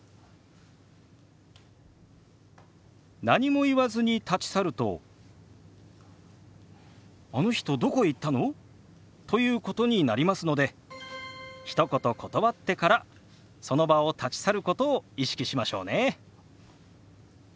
何も言わずに立ち去ると「あの人どこへ行ったの？」ということになりますのでひと言断ってからその場を立ち去ることを意識しましょうね。